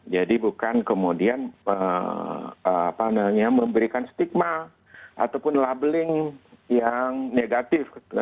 jadi bukan kemudian memberikan stigma ataupun labeling yang negatif